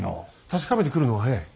確かめてくるのが早い。